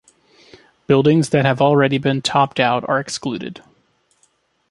Buildings that have already been topped out are excluded.